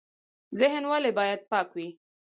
ذهن ولې باید پاک وي؟